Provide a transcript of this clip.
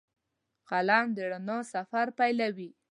قلم د رڼا سفر پیلوي